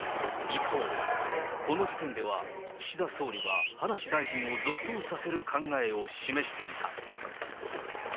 一方、この時点では岸田総理は葉梨大臣を続投させる考えを示していた。